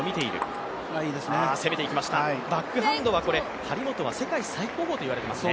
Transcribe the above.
バックハンドは、張本は世界最高峰といわれていますね。